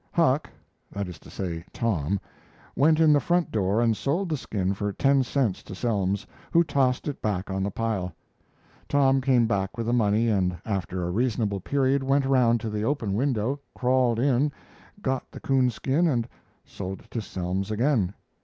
Huck that is to say, Tom went in the front door and sold the skin for ten cents to Selms, who tossed it back on the pile. Tom came back with the money and after a reasonable period went around to the open window, crawled in, got the coonskin, and sold it to Selms again.